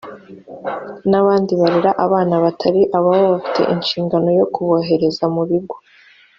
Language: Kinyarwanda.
n’abandi barera abana batari ababo bafite inshingano yo kubohereza mu bigo